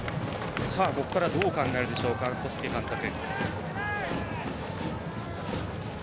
ここから、どう考えるでしょうか小菅監督。